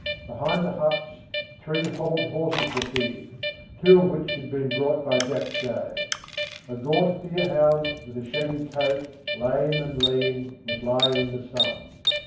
Behind the huts three hobbled horses were feeding, two of which had been brought by Jack Shay. A gaunt deerhound, with a shaggy coat, lame and lean, was lying in the sun.